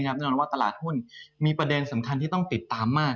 แล้วตลาดหุ้นมีประเด็นที่ต้องติดตามมาก